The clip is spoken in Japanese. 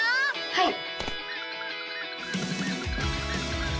はい！